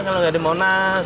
kalau nggak di monas